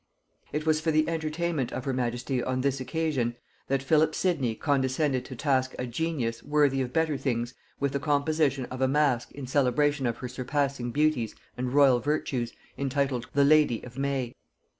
It was for the entertainment of her majesty on this occasion that Philip Sidney condescended to task a genius worthy of better things with the composition of a mask in celebration of her surpassing beauties and royal virtues, entitled "The Lady of May."